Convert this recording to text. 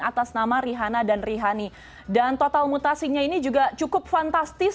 atas nama rihana dan rihani dan total mutasinya ini juga cukup fantastis